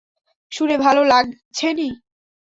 শুনে ভালো লাগছেনি?